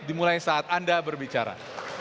dimulai saat anda berbicara